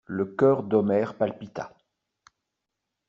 Le cœur d'Omer palpita.